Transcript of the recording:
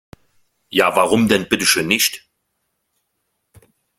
Ja, warum denn bitteschön nicht?